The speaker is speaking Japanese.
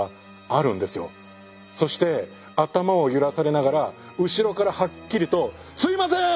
そして頭を揺らされながら後ろからはっきりと「すいません！